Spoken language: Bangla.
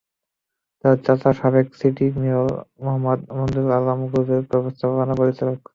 তাঁর চাচা সাবেক সিটি মেয়র মোহাম্মদ মনজুর আলম গ্রুপের ব্যবস্থাপনা পরিচালক।